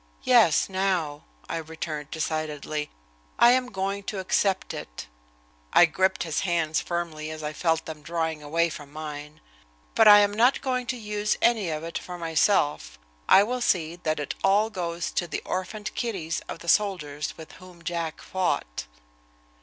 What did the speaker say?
"Yes, now," I returned decidedly. "I am going to accept it" I gripped his hands firmly as I felt them drawing away from mine, "but I am not going to use any of it for myself. I will see that it all goes to the orphaned kiddies of the soldiers with whom Jack fought."